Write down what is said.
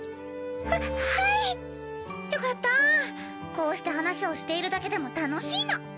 こうして話をしているだけでも楽しいの！